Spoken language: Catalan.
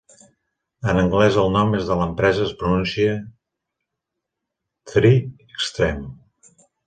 En anglès el nom de l'empresa es pronuncia "Three-Extreme".